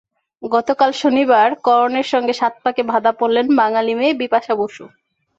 গতকাল শনিবার করণের সঙ্গে সাত পাকে বাঁধা পড়লেন বাঙালি মেয়ে বিপাশা বসু।